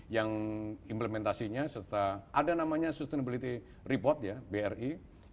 yang implementasinya serta ada namanya sustainability report ya bri